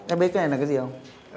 em biết cái này là cái gì không